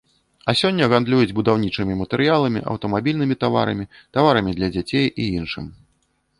А сёння гандлююць будаўнічымі матэрыяламі, аўтамабільнымі таварамі, таварамі для дзяцей і іншым.